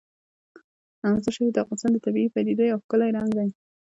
مزارشریف د افغانستان د طبیعي پدیدو یو بل ښکلی رنګ دی.